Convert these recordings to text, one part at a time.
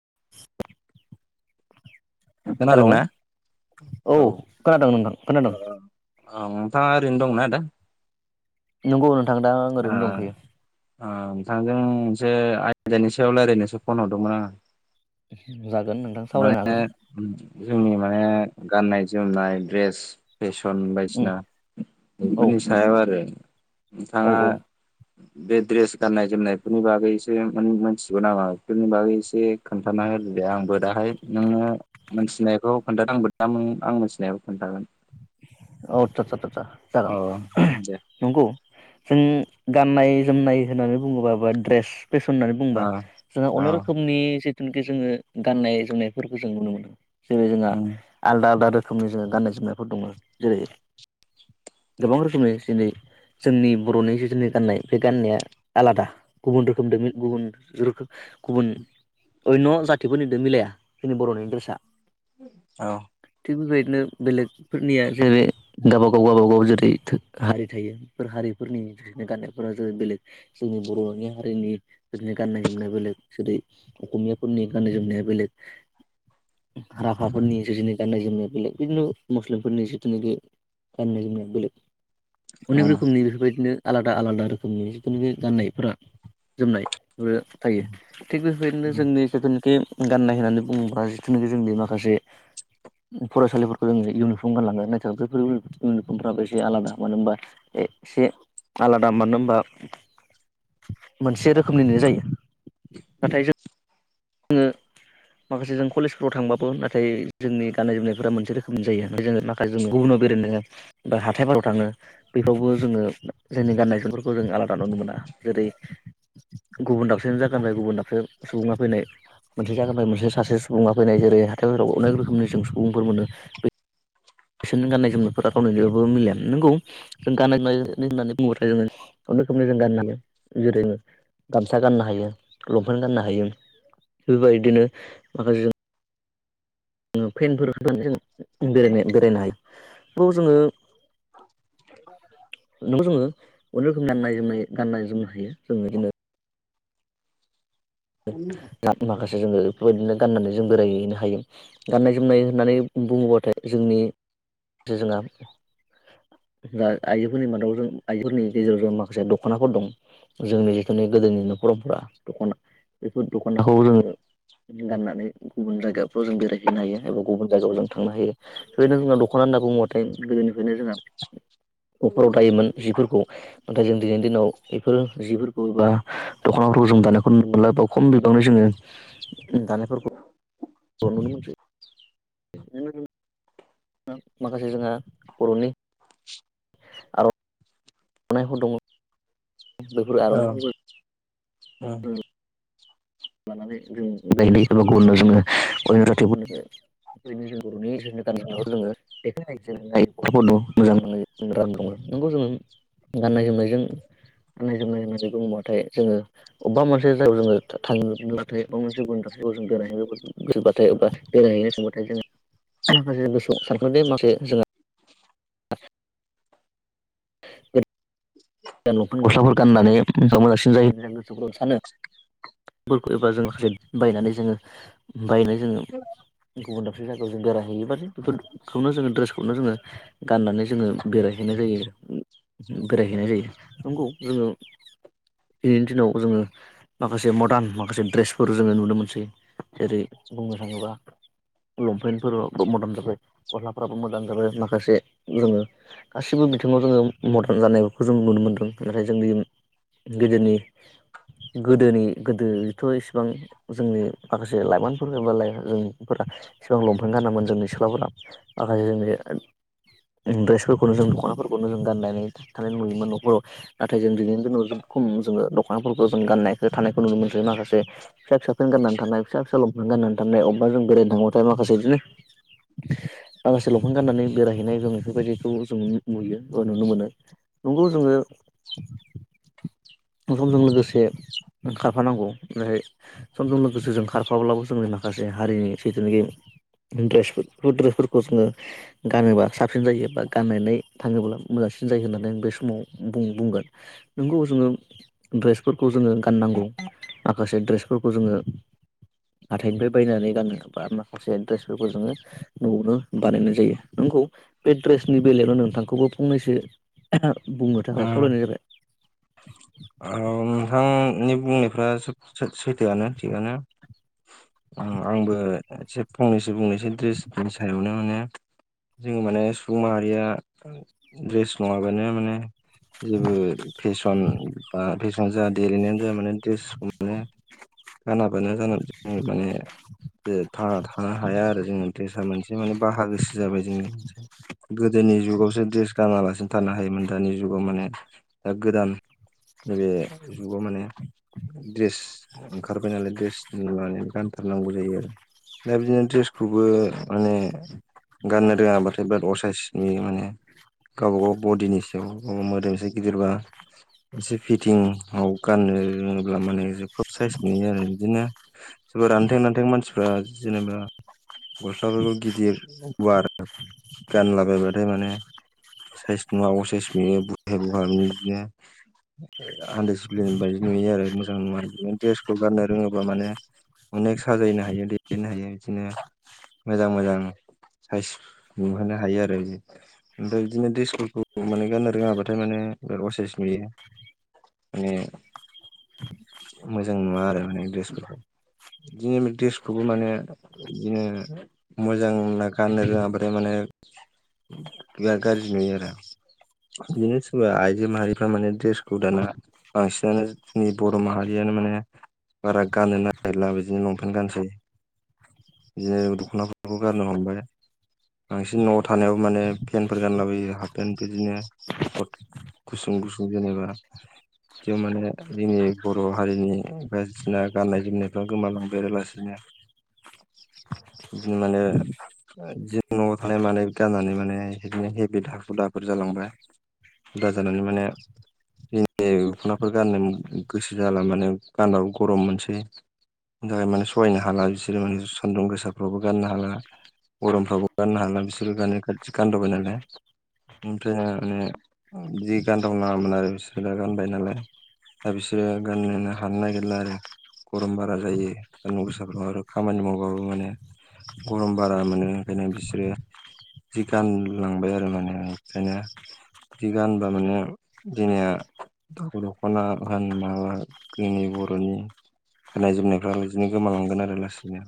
[inaudible] खोनादों हेलौ ना औ ओ खोनादों नोंथां खोनादों ओ ओ नोंथाङा ओरैनो दंना आदा? नोंगौ आ आ‌ नोंथाङाजों मोनसे आयदानि सायाव रायज्लायनोसो फन हरदोंमोन आङो। [inaudible] नोंथां सावरायनो माने हागोन जोंनि माने गाननाय जोमनाय द्रेस फेसन उम बायदिसिना औ बेफोरनि सायाव आरो। औ नोंथाङा बे द्रेस गाननाय जोमनायफोरनि बागैसो मोन-मोनथिगौ नामा बेफोरनि बागै एसे खोन्थानो होनबे आंबो दाहाय नोंनो मोनथिनायखौ खोनथादो आंबो दाम आं मिथिनायखौ खोनथागोन। औ चाचा चाचा‌ जागोन औ दे नंगौ जों गाननाय जोमनाय होननानै बुङोबा बा दड्रेस फेसन होननानै बुंबा औ जोंहा औ अनेक रोखोमनि जिथ थोनखे जोङो गाननाय जोमनायफोरखौ जों नुनो जेरै जोंहा आलदा आलदा रो खोमनि जोङो गाननाय जोमनायफोर दङ जेरै गोबां रोखोमनि जिनै जोंनि बर'नि जिथजोननि गाननाय बे गान्नाया आलादा गुबुन रोखोम गुबुन रोखो गुबुन अन्न' जाथिफोरनिदो मिलाया जोंनि बर'निड्रेसा। औ। थिग बेबायदनो बेलेग फोरनिया जेरै गावबागाव गावबागाव जेरै थो हारि थायो बेफोर हारिफोरनि थाखायनो गाननायफोरा जो बेलेग जोंनि बर'नि हारिनि फोरनि गाननाय जोमनाय बेलेग जेरै अस'मियाफोरनि गाननाय जोमनाया बेलेग [unintelligible] औ हाराखाफोरनि जिजिनि गान्नाय जोमनाय बेलेग बिदिनो मस्लिमफोरनि जिथोनोगे गाननाय जोमनाया बेलेग अनेक ओम रोखोमनि बेफोरबायदिनो आलादा आलादा रोखोमनि जिखुनु ‌बे गाननायफोरा जोमनाय ओरो थायो थिग बेबायदिनो जोंनि सोथोखे गाननाय होननानै बुङोब्रा जिथुनोगे जोंनि माखासे फरायसालिफोरखौ जों इउनिफर्म गानलाङो नोथो बेफोरबो इउनिफर्मफ्राबो एसे आलादा मानो होनबा एसे आलादा मोनानो होमबा मोनसे रोखोमनिनो जायो नाथाय जोङो माखासे जों कलेजफोराव थांबाबो नाथाय जोंनि गाननाय जोमनायफोरा मोनसे रोखोमनि जायो जों नाखाय जोंयो गुबुनाव बेरो नोंयो बा हाथाय बाराव थाङो बेफोरावबो जोङो जोंनि गाननाय जोमफोरखौ जों आलाद आननगुना जेरै गुबुन दाबसे जागोन गुबुन दाबसे सुबुङा फैनाय मोनसे जागानिफ्राय मोनसे सासे सुबुङा फैनाय जेरै हाथायफोराराव अनेक रोखोमनि जों सुबुंफोर मोनो बे फिसोरनि गाननाय जोमनायफोरा रावनिाबबो मिलयााया नोंगौ जों गाननाय जोमनाय होननानै बुङोबथाय जोङो रोखोमनि जों गान्नानै जेरै गामसा गाननो हायो लंपेन्ट गाननो हायो बेबायदिनो माखासे जों पेनफोर होनानै जों बेरायनो बेरायनो हायो बेखौ जोङो नों जोङो अनेक रोखोम गाननाय जोमनाय गाननाय जोमनो हायो जोंङो बिदिनो [unintelligible] जोङो बेफोरबायदिनो गाननानै जों बेोरायहैनो हायो गाननाय जोमनाय होननानै बुङोबाथाय जोंनि थो जोंहा जा आइजोफोरनि मादाव जों आइजोफोरनि गेजेराव जन माखासे दख'नाफोर दं जोंनि जिथुनि गोदोनि न'खरावफ्रा दख'ना बेफोर दख'नाखौ जोङो गाननानै गुबुन जायगाफ्राव जों बेरायहैनो हायो एबा गुबुन जायगायाव जों थांनो हायो बेबायदिनो जोंहा दख'ना होनना बुंबाथाय गोदोनिफ्रायनो जोङो नफोराव दायोमोन जिफोरखौ नाथाय जों दिनैनि दिनाव बेफोर जिफोरखौ बा दखनाफोरखौ जों दानायखौ नुनो मोनला बाव खम बिबांनि जोङो दानायफोरखौ नुनो मोनसै। माखासे जोंहा बर'नि आरनायफोर दङ। बेफोर आरनायफोरखौ ओं लानानै जों गायनाय [inaudible] बेनो जों बरनि गाननाय जोमनायफोरखौ जोङो देखायनाय [inaudible] नंगौ जोङो गाननाय जोमनायजों गाननाय जोमनाय होननानै बुङोबाथाय जोङो अबेबा मोनसे जायाव जोङो थाङोब्लाथाय माबा मोनसे गुबुनफारसे जों बेरायहैनो गोसोबाथाय बा बेरायहैनो थांबाथाय जोङो माखासे जों गोसोआव सानखां दे माखासे जोंहा [unintelligible] [unintelligible] लंफेन गस्लाफोर गाननानै मोजां मोजांसिन जायो होननानै आं गोसोफोरखौ सानो फोरखौ एबा जों माखासे बायनानै जोङो बायनाय जोङो गुबुन दाबसे जायगायाव जों बेरायहैयोबानो बेफोरखौनो जोङो दड्रेसखौनो जोङो गाननानै जोङो बेराय हैनाय जायो बेरायहैनाय जायो नंगौ जोङो दिनैनि दिनाव जोङो माखासे मडार्न माखासे दड्रेसफोर जोङो नुनो मोनसै जेरै बुंनो थाङोबा लंपेन्टफोर मदार्न जाबाय गस्लाफ्राबो मदार्न जाबाय माखासे जोङो गासिबो बिथिङाव जोङो मदार्न जानायखौ जों नुनो मोनदों नाथाय जोंनि गोदोनि गोदोनि गोदोथ इसेबां जोंनि माखासे लाइमोनफोर एबा जोंफोरा इसिबां लंपेन्ट गानामोन जोंनि सिख्लाफोरा माखासे जोंनि ड्रेसफोरखौनो जों दखनाफोरखौनो जों गाननानै थानाय नुयोमोन नखराव नाथाय जों दिनैनि दिनाव जोबोद खम जोङो दखनाफोरखौ जों गाननाय थानायखौ नुनो मोनसै माखासे फिसा पेन्ट गाननानै थानाय फिसा फिसा लंपेन्ट गाननानै थानाय अबेबा जों बेरायनो थांबाथाय माखासे बिदिनो माखासे लंपेन्ट गाननानै बेरायहैनाय जों बेफोरबायदिखौ जों नुयो बा नुनो मोनो नंगौ जोङो [unintelligible] समजों लोगोसे खारफानांगौ नाथाय समजों लोगोसे जों खारफाब्लाबो जोंनि माखासे हारिनि जितुनेकि द्रेस बे ड्रेसफोरखौ जोङो गानोबा साबसिन जायो बा गाननानै थाङोब्ला मोजां- सिन जायो होननानै आं बे समाव बुंगोन नोंगौ जोङो ड्रेसफोरखौ जोङो गाननांगौ माखासे ड्रेस फोरखौ जोङो हाथाइनिफ्राय बायनानै गानो बा माखासे ड्रेसफोर- खो जोङो नआवनो बानायनाय जायो नंगौ बे ड्रेसनि बेलायावनो नोंथांखौबो फंनैसो बुंनो थाखाय खावलायनाय जाबाय औ नोंथांनि बुंनायफ्रा सोब सैथोआनो थिगानो आं-आंबो एसे फंनैसो बुंनैसो द्रेसनि सायावनो माने जोङो माने सुबुं माहारिया ड्रेस नङाबानो माने जेबो फेसन बा फेसन जा- देलेनायानो जा माने द्रेसखौ माने गानाबानो जालानै माने थांना थानो हाया आरो जोङो द्रेसा मोनसे माने बाहागोसो जाबाय जोंनि गोदोनि जुगावसो ड्रेस गानालासिनो थानो हायोमोन दानि जुगाव माने दा गोदान नैबे जुगाव माने ड्रेस ओंखारबाय नालाय ड्रेस लानानै गानथारनांगौ जायो आरो दा बिदिनो ड्रेसखौबो माने गाननो रोङाबाथाय बिराद असायस नुयो माने गावबा गाव बडिनि सायाव मोदोमसे गिदिरबा एसे फिटिं औ गाननो रोङोब्ला माने खोब साइस नुयो आरो बिदिनो सोरबा रानथें-रानथें मानसिफ्रा जेनेबा गस्लाफोरखौ गिदिर गुवार गानलाबायबाथाय माने साइस नुवा असायस नुयो बुथे बुहा नुयो आनडिसिप्लिन बायदि नुयो आरो मोजां नुवा द्रेसखौ गाननो रोंङोबा माने अनेक साजायनो हायो बिददिनो हायो बिदिनो मोजां मोजां साइस नुहोनो हायो आरो ओमफ्राय बिदिनो देसुफोरखौ माने गाननो रोङाबाथाय माने बिराद असायस नुयो माने मोजां नुवा आरो माने ड्रेसफोरखौ बिदिनो बे द्रेसखौबो माने बिदिनो मोजां गाननो रोङाबाथाय माने बिराद गाज्रि नुयो आरो। बिदिनो सोरबा आइजो माहारिफ्रा माने द्रेसखौ दाना बांसिनानो जोंनि बर' माहारियानो माने बारा गानो नागिरला बिदिनो लंपेन्ट गानसै बिदिनो दख'नाफोरखौ गारनो हमबायना। बांसिन न'आव थानायाव माने पेन्टफोर गानलाबोयो हाफ पेन्ट बिदिनो सर्ट गुसुं गुसुं जेनेबा बिदियाव माने जोंनि बर' हारिनि बायदिसिना गाननाय जोमनायफ्रा गोमालांजोबसिगोन [inaudible] बिदिनो माने जि न'आव थानाय माने गाननानै माने बिदिनो हेबि हाखुर दाखुर जालांसै बिदिनो हुदा जांलाब हुदा जानानै माने बे दख'नाफोरखौ गाननो गोसो जाला माने गानबाबो गरम मोनसै बिनि थाखाय माने सहायनो हाला बिसोरो माने सान्दुं गोसाफ्रावबो गाननो हाला गरमफ्राबो गाननो हाला बिसोरबो गानो खाथि गानदाबाय नालाय ओमफ्राय माने जि गानदावला मोन आरो बिसोर दा गानबाय नालाय दा बिसोरो गानोनो हानो नागिरला आरो। गरम बारा जायो सानदुं गोसाफ्राव आरो खामानि मावबाबो माने गरम बारा मोनो ओंखायनो बिसोरो जि गानलांबाय आरो माने बेखायनो बिदि गानबा माने जोंनिया दख'ना होन माबा जोंनि बर'नि गाननाय जोमनायफ्रालाय बिदिनो गोमालांगोन आरो लासैनो।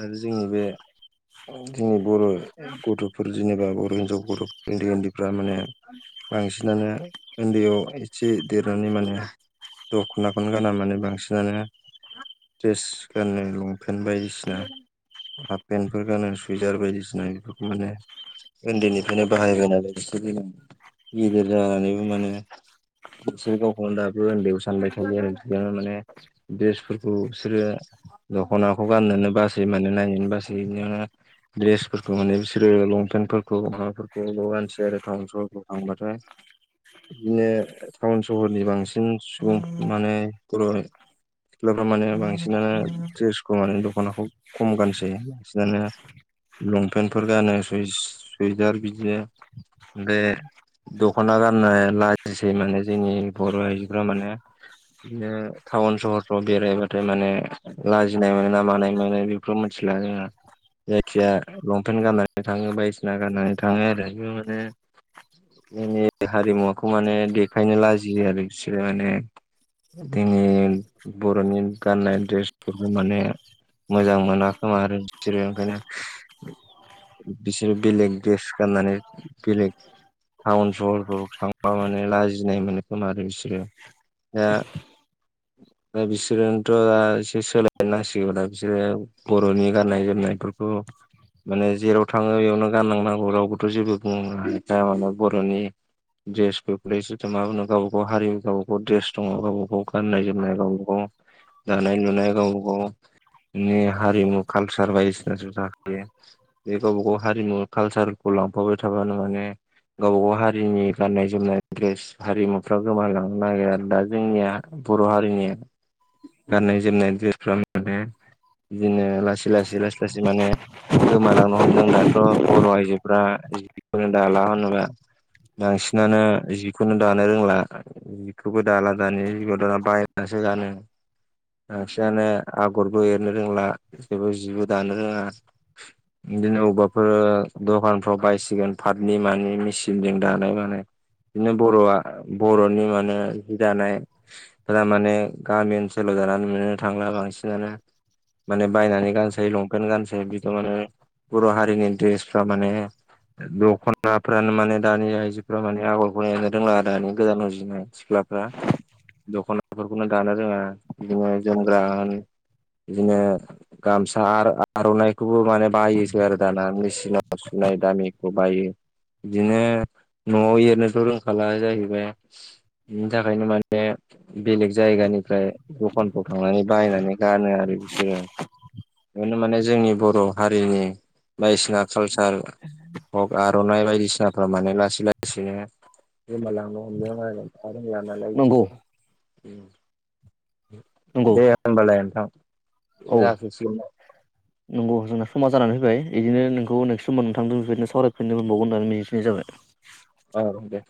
आरो जोंनि बे जोंनि बर' गथ'फोर जेनेबा बर' हिनजावफोर उन्दै उन्दैफ्रा माने बांसिनानो उन्दैयाव एसे देरनानै माने दख'नाखौनो गाना मानो बांसिनानो। द्रेस गाननाय लंपेन्ट बायदिसिना हाफ पेन्टफोर गानो सुइजार बायदिसिना बेफोरखौ माने उन्दैनिफ्रायनो बाहायबाय नालाय बिसोर गिदिर जानानैबो माने बिसोरो गावखौनो दाबो उन्दैयाव सानबाय थायो आरो बिदिनो माने द्रेसफोरखौ बिसोरो दख'नाखौ गाननोनो बासै माने नायनोनो बासै बिदिनो दड्रेसफोरखौ माने बिसोरो लंपेन्टफोरखौ माबाफोरखौल' गानसै आरो टाउन सहरफ्राव थांबाथाय। बिदिनो टाउन सहरनि बांसिन सुबुं माने बर' हारि सिख्लाफ्रा माने बांसिनानो द्रेसखौ माने दखानाखौ खम गानसै बांसिनानो लंपेन्टफोर गानो सुइदार बिदिनो बे दख'ना गानबा नाय लाजिसै माने जोंनि बर' आइजोफोरा माने बिदिनो टाउन सहरफ्राव बेरायबाथाय माने लाजिनाय मोनो ना मानाय मोनो बेफोराव मोनसे थिला जोंना। जायखिया लंपेन्ट गाननानै थाङो बायदिसिना गाननानै थाङो आरो बे माने जोंनि हारिमुवाखौ माने देखायनो लाजियो आरो बिसोरो माने जोंनि बर'नि गाननाय द्रेसफोरखौ माने मोजां मोनाखोमा आरो बिसोरो ओंखायनो। बिसोरो बेलेग देस गाननानै बेलेग टाउन सहर माने लाजिनाय मोनो खोमा आरो बिसोरो दा दा बिसोरनोथ' दा एसे सोलायनोनांसिगौ दा बिसोरो बर'नि गाननाय जोमनायफोरखौ माने जेराव थाङो बेयावनो गानलांनांगौ रावबोथ' जेबो बुङाया राव आल' बर'नि द्रेस फोरखौलाय सोरथो मा बुंनो गावबा गाव हारि गावबा गाव ड्रेस दङ गावबा गाव गाननाय जोमनाय गावबा गाव दानाय लुनाय गावबा गावनि हारिमु कालसार बायदिसिना ज' जाखायो। बे गावबा गाव हारिमु कालसारखौ लांफाबाय थाबानो माने गावबा गाव हारिनि गाननाय जोमनाय द्रेस हारिमुफ्रा गोमालांनो नागिरो आरो दा जोंनिया बर' हारिनिया। गाननाय जोमनाय द्रेसफ्रा माने बिदिनो लासै लासै लासै लासै माने गोमालांनो हमदों दाथ' बर' आइ जोफ्रा जिखौनो दाला होनोबा। बांसिनानो जिखौनो दानो रोंला जिखौबो दाला दानि जिगआव दाना बायनानैसो जा गानो। बांसिनानो आगरबो एरनो रोंला जेबो जिबो दानो रोङा। बिदिनो अबाफो दखानफ्राव बायसिगोन पातनि मानि मेसिनजों दानाय मानाय। बिदिनो बर'आ बर'नि माने जि दानायफोरा माने गामि ओनसोलाव जानानै मोनो थांला बांसिनानो माने बायनानै गानसै लंपेन्ट गानसै बेथ' माने बर' हारिनि द्रेसफ्रा माने दखनाफ्रानो माने दानि आइजोफ्रा माने आगरखौ एरनो रोंला आरो दानि गोदान उजिनाय सिख्लाफ्रा दख'नाफोरखौनो दानो रोङा बिदिनो जोमग्रा होन बिदिनो गामसा आर'नाइखौबो माने बायोसो आरो दाना मेसिनाव सु नाय दामिखौ बायो बिदिनो न'आव एरनोथ' रोंखाला जाहैबाय। बिनि थाखायनो माने बेलेग जायगानिफ्राय दखान थांनानै बायनानै गानो आरो बिसोरो। बेखौनो माने जोंनि बर' हारिनि बायदिसिना कालचार हक आर'नाइ बायदिसिना माने लासै लासैनो गोमालांनो हमदों आरो रोंला नालाय नंगौ इसोरो नंगौ दे होमबालाय। थां ओ औ जाथसिगोनदां। नंगौ जोंना समा जानानै फैबाय बिदिनो नोंखौ नेक्स्ट समाव नोंथांदों बेफोरबायदिनो सावरायफिनो मोनबावगोन होननानै मिजिंथिनाय जाबाय। औ दे।